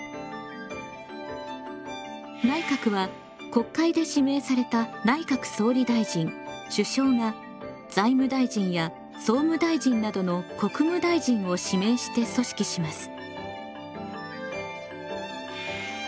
内閣は国会で指名された内閣総理大臣首相が財務大臣や総務大臣などの国務大臣を指名して組織します。